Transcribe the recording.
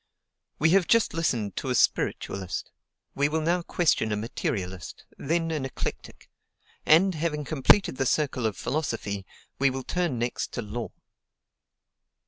We have just listened to a spiritualist; we will now question a materialist, then an eclectic: and having completed the circle of philosophy, we will turn next to law.